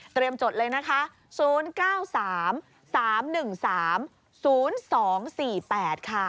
เตรียมจดเลยนะคะศูนย์เก้าสามสามหนึ่งสามศูนย์สองสี่แปดค่ะ